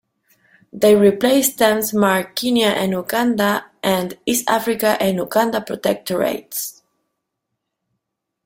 They replaced stamps marked "Kenya and Uganda" and "East Africa and Uganda Protectorates".